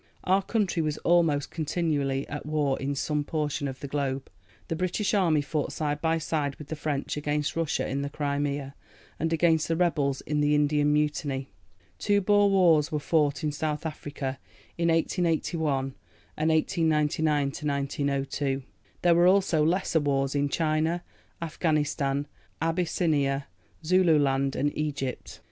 Our country was almost continually at war in some portion of the globe. The British Army fought side by side with the French against Russia in the Crimea, and against the rebels in the Indian Mutiny; two Boer wars were fought in South Africa in 1881, and 1899 1902. There were also lesser wars in China, Afghanistan, Abyssinia, Zululand and Egypt.